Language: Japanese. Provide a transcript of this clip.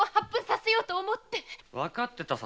分かってたさ